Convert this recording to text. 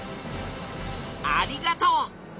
ありがとう！